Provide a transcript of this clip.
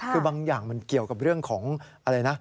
คือบางอย่างมันเกี่ยวกับเรื่องของอะไรนะ